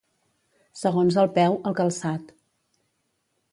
Segons el peu, el calçat.